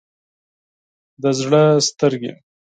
د زړه سترګې